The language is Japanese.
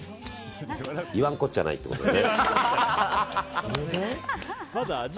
言わんこっちゃないってことでね。